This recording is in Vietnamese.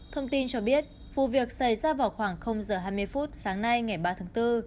thông tin cho biết vụ việc xảy ra vào khoảng h hai mươi phút sáng nay ngày ba tháng bốn